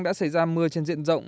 đã xảy ra mưa trên diện rộng